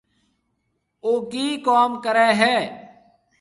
او ڪِي ڪم ڪري هيَ۔